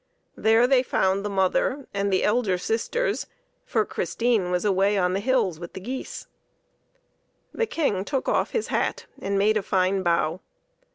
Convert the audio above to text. There they found the mother and the elder sisters, for Christine was away on the hills with her geese. The King took off his hat and made a fine bow.